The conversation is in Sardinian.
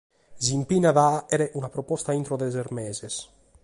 Si impinnat a fàghere una proposta intro de ses meses.